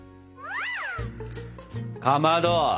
かまど！